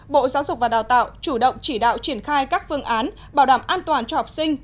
bộ giáo dục và đào tạo chủ động chỉ đạo triển khai các phương án bảo đảm an toàn cho học sinh